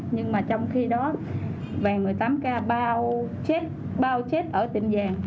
nhưng mà trong khi đó vàng một mươi tám k bao chết ở tìm vàng